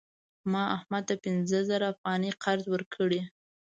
ما احمد ته پنځه زره افغانۍ قرض ورکړې.